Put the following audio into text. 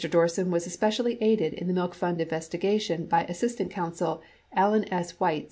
Dorsen was especially aided in the milk fund investigation by assistant coun sel Alan S. Weitz.